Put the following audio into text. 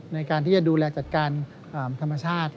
ในการที่จะดูแลจัดการธรรมชาติ